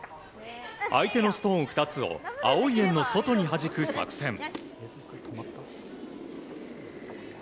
相手のストーン２つを青い円の外にはじく作戦。